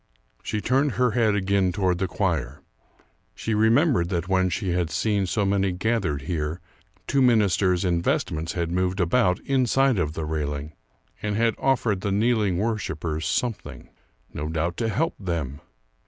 She turned her head again toward the choir. She remembered that when she had seen so many gathered here, two ministers in vestments had moved about inside of the railing and had offered the kneeling worshipers something. No doubt to help them!